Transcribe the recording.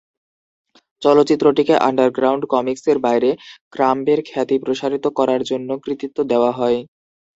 চলচ্চিত্রটিকে underground কমিক্সের বাইরে ক্রাম্বের খ্যাতি প্রসারিত করার জন্য কৃতিত্ব দেওয়া হয়।